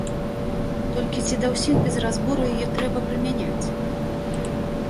Толькі ці да ўсіх без разбору яе трэба прымяняць?